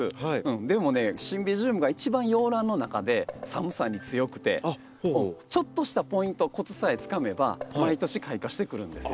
でもねシンビジウムが一番洋ランの中で寒さに強くてちょっとしたポイントコツさえつかめば毎年開花してくるんですよ。